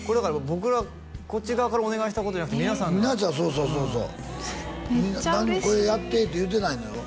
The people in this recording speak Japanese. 僕らこっち側からお願いしたことじゃなくて皆さんが皆さんそうそうそうそうみんな何もこれやってって言ってないのよ？